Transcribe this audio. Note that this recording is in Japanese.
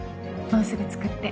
もうすぐ着くって。